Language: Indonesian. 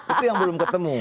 itu yang belum ketemu